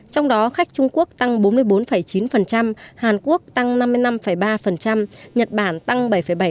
trong đó khách trung quốc tăng bốn mươi bốn chín hàn quốc tăng năm mươi năm ba nhật bản tăng bảy bảy